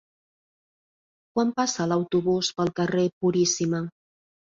Quan passa l'autobús pel carrer Puríssima?